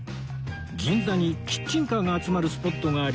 銀座にキッチンカーが集まるスポットがあり